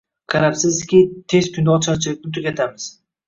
Qarabsizki, tez kunda ocharchilikni tugatamiz.